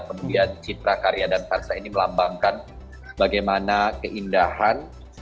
kemudian citra karya dan karsa ini melambangkan bagaimana keindahan